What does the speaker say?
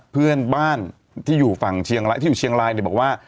เพื่อนบ้านที่อยู่ฝั่งเชียงรายที่อยู่เชียงรายเนี่ยบอกว่า